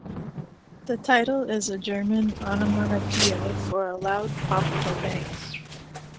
The title is a German onomatopoeia for a loud pop or bang.